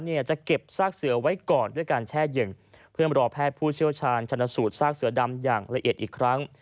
จะเก็บซากเสือไว้ก่อนด้วยการแช่เย็นเพื่อรอแพทย์ผู้เชี่ยวชาญชนสูตรซากเสือดำอย่างละเอียดอีกครั้ง